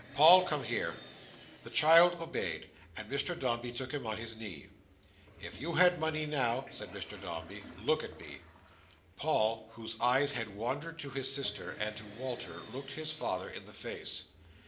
Paul, come here!" The child obeyed: and Mr Dombey took him on his knee. "If you had money now—" said Mr Dombey. "Look at me!" Paul, whose eyes had wandered to his sister, and to Walter, looked his father in the face.